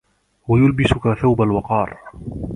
وَيُلْبِسُك ثَوْبَ الْوَقَارِ